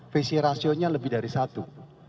visi rasionya lebih dari satu